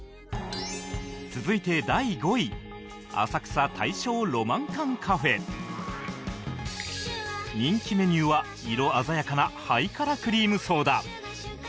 続いて人気メニューは色鮮やかなハイカラクリームソーダ